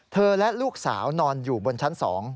และลูกสาวนอนอยู่บนชั้น๒